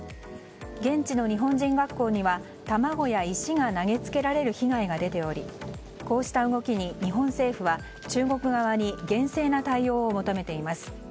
現地の日本人学校には卵や石が投げつけられる被害が出ており、こうした動きに日本政府は、中国側に厳正な対応を求めています。